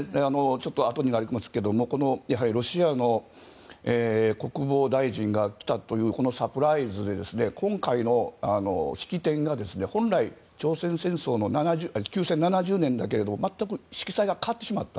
ちょっとあとになりますがロシアの国防大臣が来たというサプライズで今回の式典が本来、朝鮮戦争の休戦７０年だけれど全く色彩が変わってしまった。